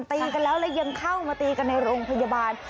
ตีกันแล้วแล้วยังเข้ามาตีกันในโรงพยาบาล